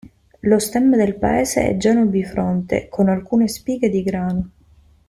Lo stemma del paese è Giano bifronte, con alcune spighe di grano.